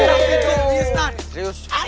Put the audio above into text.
udah ambil nih berarti